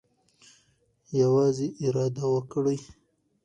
یوازې اراده وکړئ.